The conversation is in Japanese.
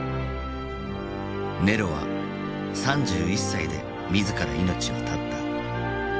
ネロは３１歳で自ら命を絶った。